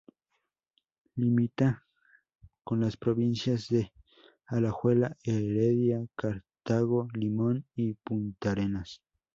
Limita con las provincias de Alajuela, Heredia, Cartago, Limón y Puntarenas.